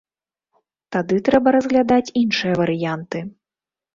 Тады трэба разглядаць іншыя варыянты.